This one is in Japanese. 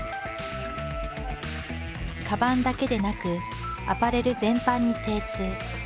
カバンだけでなくアパレル全般に精通。